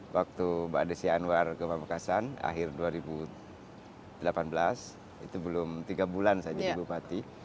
waktu mbak desi anwar ke pamekasan akhir dua ribu delapan belas itu belum tiga bulan saya jadi bupati